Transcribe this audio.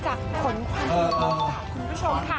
สวัสดีครับคุณผู้ชมครับ